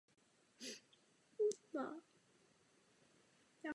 Hrál na postu středního záložníka.